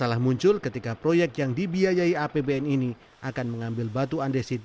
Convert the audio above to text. masalah muncul ketika proyek yang dibiayai apbn ini ingo ladzulah mengambil batu andasit dari desa wadas